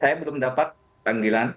saya belum dapat panggilan